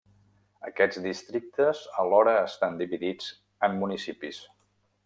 Aquests districtes alhora estan dividits en municipis.